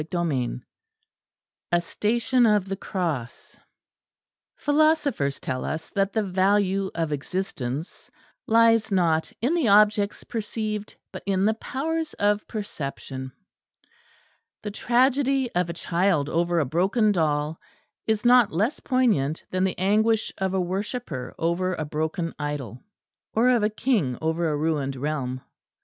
CHAPTER XI A STATION OF THE CROSS Philosophers tell us that the value of existence lies not in the objects perceived, but in the powers of perception. The tragedy of a child over a broken doll is not less poignant than the anguish of a worshipper over a broken idol, or of a king over a ruined realm.